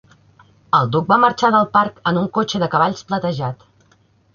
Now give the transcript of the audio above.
El duc va marxar del parc en un cotxe de cavalls platejat.